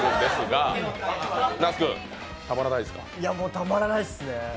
たまらないですね。